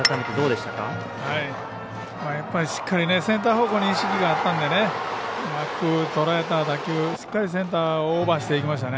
しっかりセンター方向に意識があったのでうまくとらえた打球をしっかりセンターをオーバーしていきましたね。